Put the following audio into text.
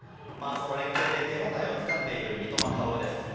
連係で手応えをつかんでいる三笘薫です。